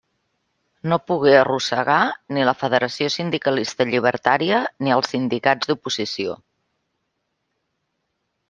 No pogué arrossegar ni la Federació Sindicalista Llibertària ni els Sindicats d'Oposició.